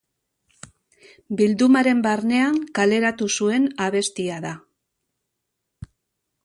Bildumaren barnean kaleratu zuen abestia da.